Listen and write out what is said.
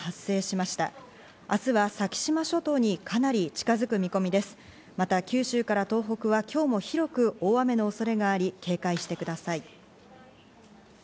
また、九州から東北は今日も広く大雨の恐れがあり、警戒してください。